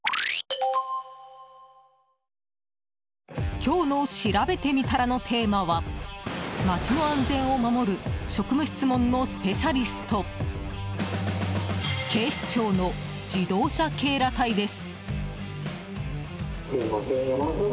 今日のしらべてみたらのテーマは街の安全を守る職務質問のスペシャリスト警視庁の自動車警ら隊です。